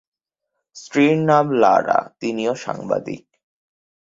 স্ত্রীর নাম লারা, তিনিও সাংবাদিক।